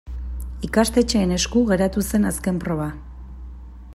Ikastetxeen esku geratu zen azken proba.